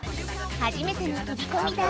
初めての飛び込み台。